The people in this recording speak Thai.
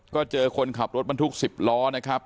ก็เจอคนขับรถบรรทุก๑๐ล้อนะครับ